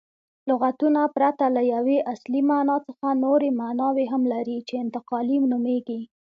لغتونه پرته له یوې اصلي مانا څخه نوري ماناوي هم لري، چي انتقالي نومیږي.